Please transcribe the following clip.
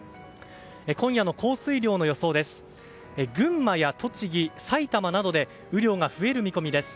今夜の降水量の予想です。